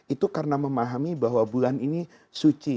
itu karena memahami bahwa bulan ini suci